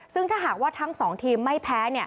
ซึ่งถ้าหากว่าทั้ง๒ทีมไม่แพ้